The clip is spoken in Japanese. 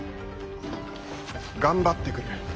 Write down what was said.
頑張ってくる。